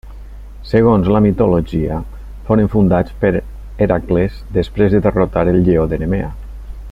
Segons, la mitologia, foren fundats per Hèracles després de derrotar el lleó de Nemea.